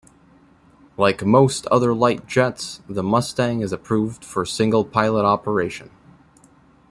Like most other light jets, the Mustang is approved for single-pilot operation.